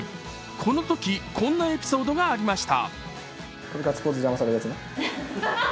このとき、こんなエピソードがありました。